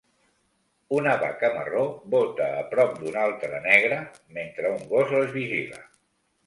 Una vaca marró bota a prop d'una altra negra mentre un gos les vigila.